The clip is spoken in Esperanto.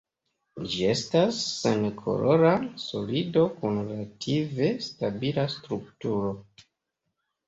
Ĝi estas senkolora solido kun relative stabila strukturo.